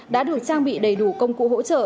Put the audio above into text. đã được trang bị đầy đủ công cụ hỗ trợ